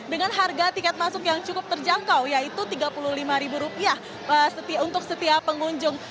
dengan harga tiket masuk yang cukup terjangkau yaitu rp tiga puluh lima untuk setiap pengunjung